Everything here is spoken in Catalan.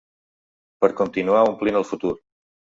Per continuar omplint el futur.